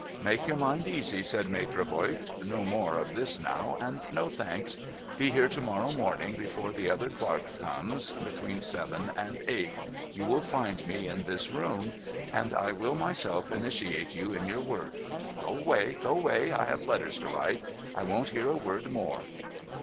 ' Make your mind easy,' said Maitre Voigt, ' No more of this now, and no thanks ! Be here to morrow morning, before the other clerk comes — between seven and eight. You will find me in this 56o NO THOROUGHFARE room ; and I will myself initiate you in your work. Go away ! go away ! I have letters to write. I won't hear a word more.'